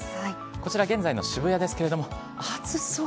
こちら、現在の渋谷ですけれども、暑そう。